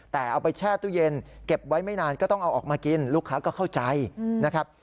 แต่เอาไปแช่ตู้เย็นเก็บไว้ไม่นานก็ต้องเอาออกมากินลูกค้าก็เข้าใจนะครับ